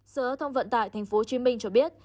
sở giao thông vận tải tp hcm cho biết